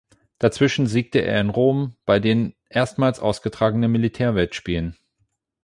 Dazwischen siegte er in Rom bei den erstmals ausgetragenen Militärweltspielen.